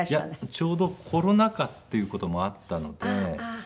ちょうどコロナ禍っていう事もあったので。